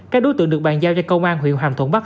các đối tượng được bàn giao cho công an huyện hàm thuận bắc